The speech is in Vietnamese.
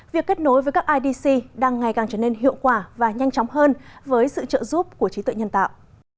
việc kết nối với các idc đang ngày càng trở nên hiệu quả và nhanh chóng hơn với sự trợ giúp của trí tuệ nhân tạo